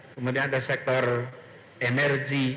kemudian ada sektor energi